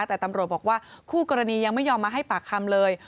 แต่ตำรวจบอกว่าคู่กรณียังไม่ยอมมาให้ปากคำเลย